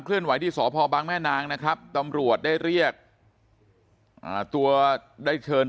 ไหวที่สพบางแม่นางนะครับตำรวจได้เรียกตัวได้เชิญ